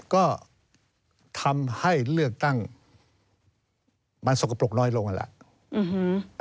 ก็ทำให้เลือกตั้งมันสกปรกน้อยลงนั่นแหละ